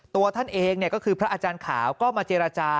ตัวท่านเองก็คือพระอาจารย์ขาวก็มาเจรจา